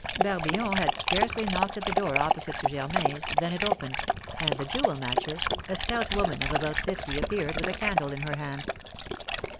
Barbillon had scarcely knocked at the door opposite to Germain's, than it opened, and the jewel matcher, a stout woman of about fifty, appeared with a candle in her hand.